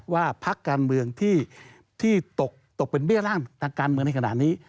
พักการเมืองที่ตกเป็นเบี้ยร่างทางการเมืองในขณะนี้